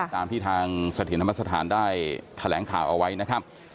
ตามที่ทางเสถียรธรรมสถานได้แถลงข่าวเอาไว้นะครับ